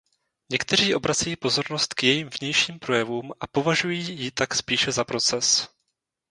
Někteří obracejí pozornost k jejím vnějším projevům a považují ji pak spíše za proces.